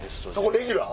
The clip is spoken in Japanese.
レギュラー？